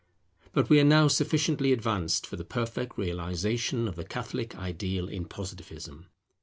But we are now sufficiently advanced for the perfect realization of the Catholic ideal in Positivism.